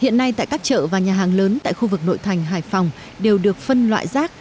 hiện nay tại các chợ và nhà hàng lớn tại khu vực nội thành hải phòng đều được phân loại rác